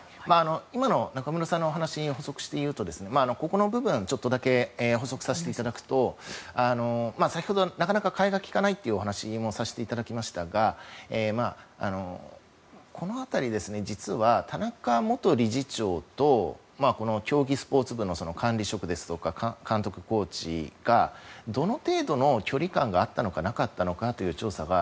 今の中室さんのお話を補足して言うとここの部分をちょっとだけ補足しますと先ほど、なかなか代えが利かないというお話もさせていただきましたがこの辺り、実は田中元理事長と競技スポーツ部の管理職ですとか監督、コーチがどの程度の距離感があったのかなかったのかという調査は